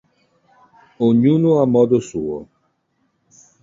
Ognuno a modo suo.